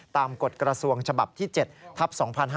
กฎกระทรวงฉบับที่๗ทัพ๒๕๕๙